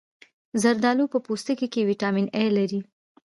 زردالو په پوستکي کې ویټامین A لري.